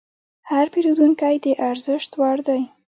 هر پیرودونکی د ارزښت وړ دی.